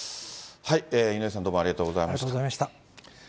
井上さん、どうもありがとうござありがとうございました。